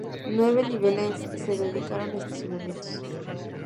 Nueve niveles se dedicaron a estacionamientos.